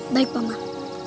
baik pak mak